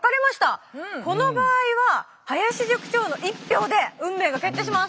この場合は林塾長の１票で運命が決定します。